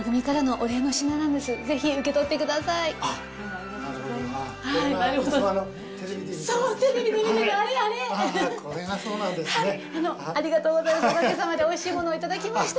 おかげさまでおいしいものをいただきました。